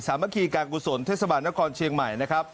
สามัคคีการกุศลเทศบาลนครเชียงใหม่